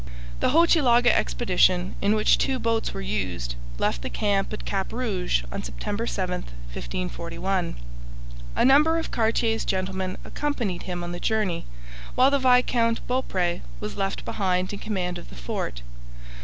The Hochelaga expedition, in which two boats were used, left the camp at Cap Rouge on September 7, 1541. A number of Cartier's gentlemen accompanied him on the journey, while the Viscount Beaupre was left behind in command of the fort.